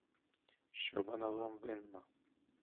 Що вона вам винна?